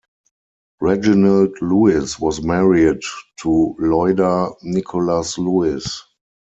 Reginald Lewis was married to Loida Nicolas-Lewis.